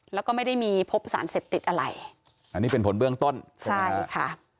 แล้วก็ไม่ได้มีพบสารเสพติดอะไรอันนี้เป็นผลเบื้องต้นใช่ค่ะ